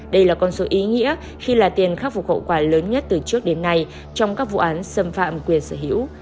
đây là con số ý nghĩa khi là tiền khắc phục hậu quả lớn nhất từ trước đến nay trong các vụ án xâm phạm quyền sở hữu